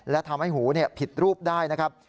และทำให้หูผิดรูปได้นะครับ